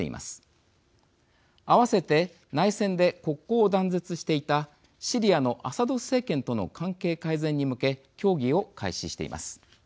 あわせて内戦で国交を断絶していたシリアのアサド政権との関係改善に向け協議を開始しています。